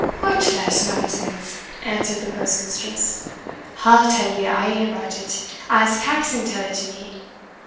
"Hout, lass, nonsense!" answered the postmistress; "I'll tell ye, a' about it, as Caxon tell'd it to me.